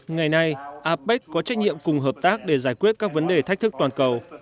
ngày nay apec có trách nhiệm cùng hợp tác để giải quyết các vấn đề thách thức toàn cầu